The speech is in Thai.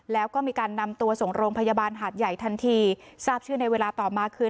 แล้วก็มีการนำตัวส่งโรงพยาบาลหาดใหญ่ทันทีทราบชื่อในเวลาต่อมาคือ